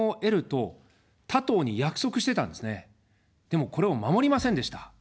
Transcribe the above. でも、これを守りませんでした。